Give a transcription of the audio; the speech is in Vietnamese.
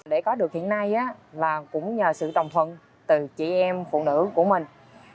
để có được hiện nay là cũng nhờ sự đồng thuận từ chị em phụ nữ của mình